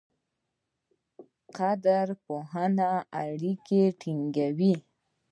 قدرپوهنه اړیکې ټینګوي.